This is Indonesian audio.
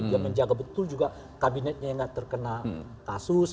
ya menjaga betul juga kabinetnya yang tidak terkena kasus